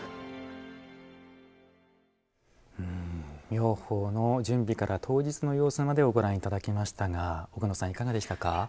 妙法の準備から当日の様子までをご覧いただきましたが奥野さん、いかがでしたか。